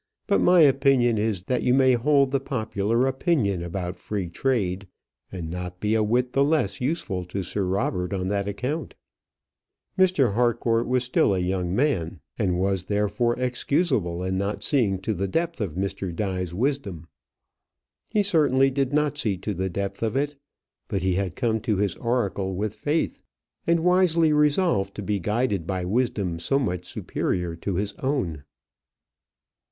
But my opinion is, that that you may hold the popular opinion about free trade, and be not a whit the less useful to Sir Robert on that account." Mr. Harcourt was still a young man, and was, therefore, excusable in not seeing to the depth of Mr. Die's wisdom. He certainly did not see to the depth of it; but he had come to his oracle with faith, and wisely resolved to be guided by wisdom so much superior to his own.